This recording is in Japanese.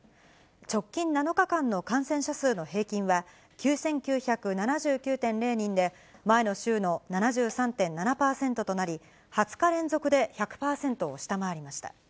直近７日間の感染者数の平均は９９７９．０人で、前の週の７３．７％となり、２０日連続で１００％を下回りました。